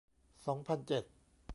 สองพันเจ็ด